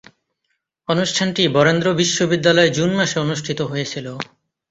অনুষ্ঠানটি বরেন্দ্র বিশ্ববিদ্যালয়ে জুন মাসে অনুষ্ঠিত হয়েছিলো।